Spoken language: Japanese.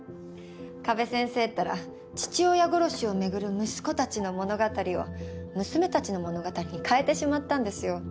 加部先生ったら父親殺しを巡る息子たちの物語を娘たちの物語に変えてしまったんですよ。